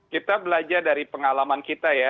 kita belajar dari pengalaman kita ya